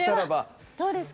どうですか？